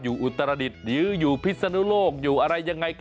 อยู่อุตรดิตหรืออยู่พิษนุโลกอยู่อะไรยังไง